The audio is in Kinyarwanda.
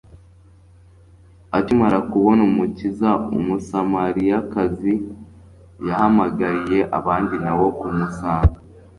Akimara kubona Umukiza, Umusamariyakazi yahamagariye abandi na bo kumusanga.